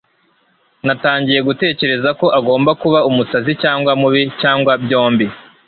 Natangiye gutekereza ko agomba kuba umusazi cyangwa mubi - cyangwa byombi